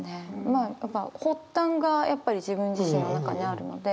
まあやっぱ発端がやっぱり自分自身の中にあるので。